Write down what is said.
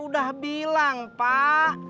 saya udah bilang pak